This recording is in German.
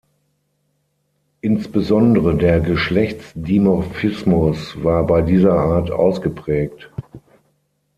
Insbesondere der Geschlechtsdimorphismus war bei dieser Art ausgeprägt.